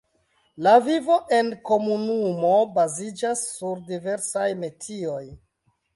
La vivo enkomunumo baziĝas sur diversaj metioj.